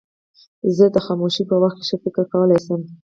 زه د خاموشۍ په وخت کې ښه فکر کولای شم.